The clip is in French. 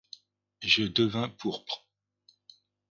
Je devins pourpre.